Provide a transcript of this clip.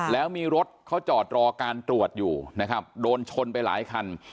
แล้วมีรถเขาจอดรอการตรวจอยู่นะครับโดนชนไปหลายคัน